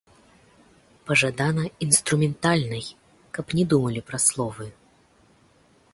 Пажадана інструментальнай, каб не думалі пра словы.